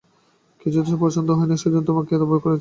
কিছুই তোমার সহজে পছন্দ হয় না, সেইজন্যে তোমাকে এত ভয় করি মিতা!